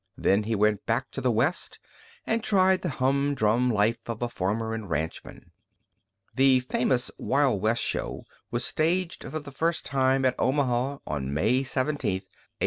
Then he went back to the West and tried the hum drum life of a farmer and ranchman. The famous Wild West show was staged for the first time at Omaha on May 17, 1883.